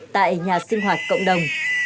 tại nhà sinh hoạt cộng đồng